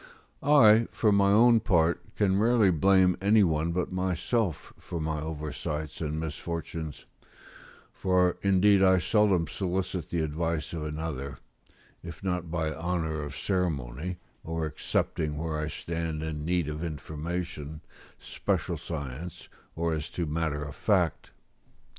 ] I, for my own part, can rarely blame any one but myself for my oversights and misfortunes, for indeed I seldom solicit the advice of another, if not by honour of ceremony, or excepting where I stand in need of information, special science, or as to matter of fact.